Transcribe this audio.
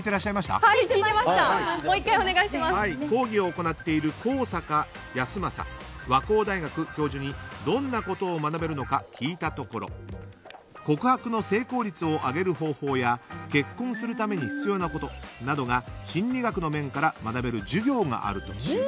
講義を行っている高坂康雅和光大学教授にどんなことを学べるのか聞いたところ告白の成功率を上げる方法や結婚するために必要なことが心理学の面から学べる授業があると。